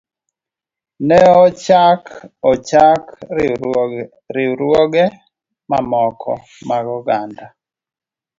Ne ochak ochak riwruoge mamoko mag oganda.